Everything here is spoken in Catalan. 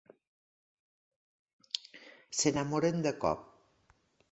S'enamoren de cop.